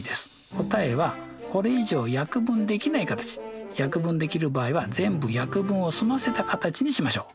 答えはこれ以上約分できない形約分できる場合は全部約分を済ませた形にしましょう。